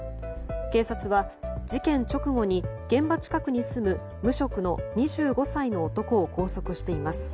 警察は、事件直後に現場近くに住む無職の２５歳の男を拘束しています。